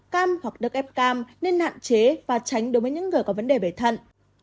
cam hoặc đất ép cam nên hạn chế và tránh đối với những người có vấn đề bệnh thận